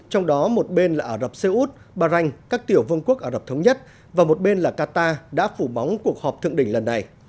trong đó một bên là ả rập xê út bahrain các tiểu vương quốc ả rập thống nhất và một bên là qatar đã phủ bóng cuộc họp thượng đỉnh lần này